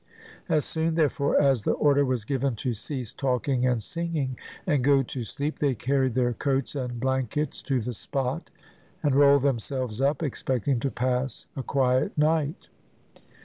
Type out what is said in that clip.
As soon, therefore, as the order was given to cease talking and singing, and go to sleep, they carried their coats and blankets to the spot, and rolled themselves up, expecting to pass a quiet night.